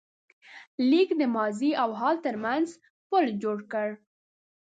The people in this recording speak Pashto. لیک د ماضي او حال تر منځ پُل جوړ کړ.